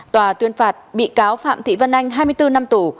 tòa tuyên phạt bị cáo phạm thị văn anh hai mươi bốn năm tù